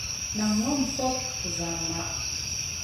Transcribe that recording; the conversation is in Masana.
Nan ŋòm fokŋ busa maʼh.